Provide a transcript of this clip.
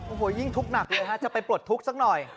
โอ้โหยิ่งทุกข์หนักเลยฮะจะไปปลดทุกข์สักหน่อย